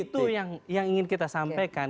itu yang ingin kita sampaikan